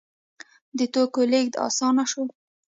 د توکو لیږد اسانه شو.